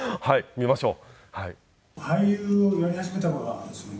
見ましょう。